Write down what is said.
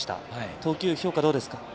投球評価、どうですか。